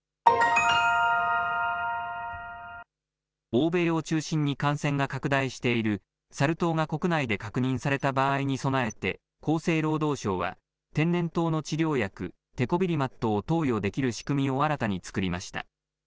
欧米を中心に感染が拡大しているサル痘が国内で確認された場合に備えて厚生労働省は天然痘の治療薬、テコビリマットを投与できる仕組みを新たに作りました。